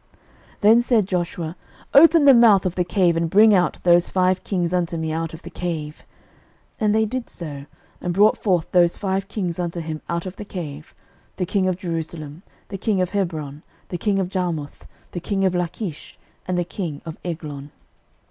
06:010:022 Then said Joshua, Open the mouth of the cave, and bring out those five kings unto me out of the cave. 06:010:023 And they did so, and brought forth those five kings unto him out of the cave, the king of Jerusalem, the king of Hebron, the king of Jarmuth, the king of Lachish, and the king of Eglon.